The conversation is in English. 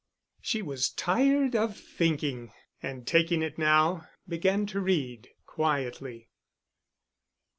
She was tired of thinking; and taking it now, began to read quietly.